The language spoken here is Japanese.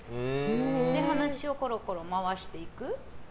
それで話をコロコロ回していく。